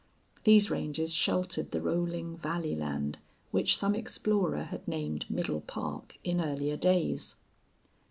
These ranges sheltered the rolling valley land which some explorer had named Middle Park in earlier days.